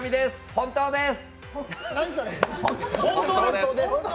本当です？